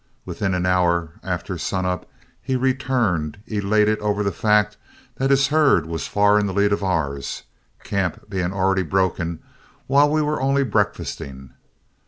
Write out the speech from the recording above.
Within an hour after sun up he returned, elated over the fact that his herd was far in the lead of ours, camp being already broken, while we were only breakfasting.